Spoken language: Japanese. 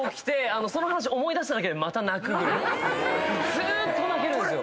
ずーっと泣けるんですよ。